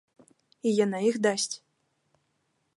І яна іх дасць.